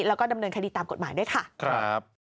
แล้วก็ดำเนินคดีตามกฎหมายด้วยค่ะ